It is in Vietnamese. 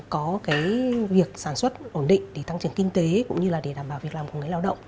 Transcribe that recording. có cái việc sản xuất ổn định để tăng trưởng kinh tế cũng như là để đảm bảo việc làm của người lao động